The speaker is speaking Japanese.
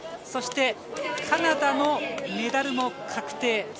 そしてカナダのメダルも確定。